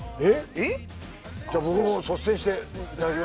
えっ？